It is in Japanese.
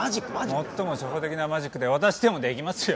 最も初歩的なマジックで私でもできますよ。